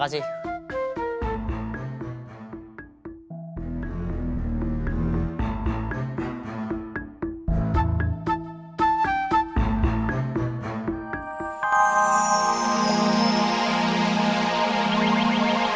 ya udah aku mau